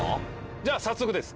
じゃあ早速です。